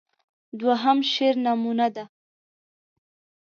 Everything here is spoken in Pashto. دوهم شعر نمونه ده.